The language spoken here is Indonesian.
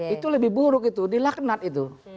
itu lebih buruk itu di laknat itu